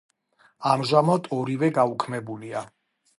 ამჟამად ორივე გაუქმებულია.